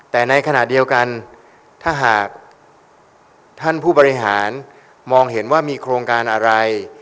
แต่ในขณะเดียวกันถ้าหากท่านผู้บริหารมองเห็นว่ามีโครงการอะไร